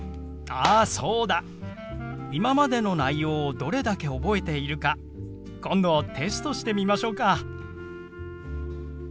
あそうだ！今までの内容をどれだけ覚えているか今度テストしてみましょうか。